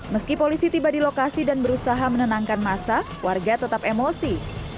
meski polisi tiba di lokasi dan berusaha menenangkan masa warga tetap emosi